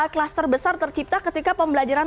klaster besar tercipta ketika pembelajaran